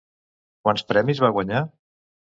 Quants premis va guanyar?